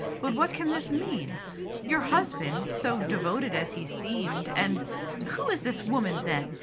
"But what can this mean ? Your husband — so devoted as he seemed — and Who is this woman, then